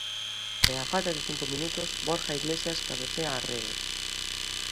E á falta de cinco minutos Borja Iglesias cabecea á rede.